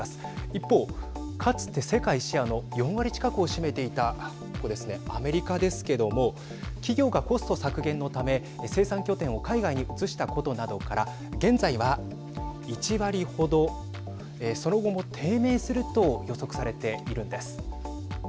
一方、かつて世界シェアの４割近くを占めていたここですね、アメリカですけども企業がコスト削減のため生産拠点を海外に移したことなどから現在は１割程その後も低迷すると予測されているんです。